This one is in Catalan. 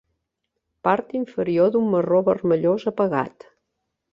Part inferior d'un marró vermellós apagat.